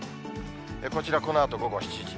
こちら、このあと午後７時。